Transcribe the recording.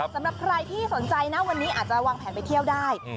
สำหรับใครที่สนใจนะวันนี้อาจจะวางแผนไปเที่ยวได้